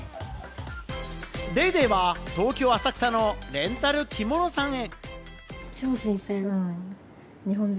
『ＤａｙＤａｙ．』は東京・浅草のレンタル着物屋さんへ。